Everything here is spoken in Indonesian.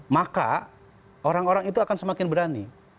maka orang orang itu akan semakin berani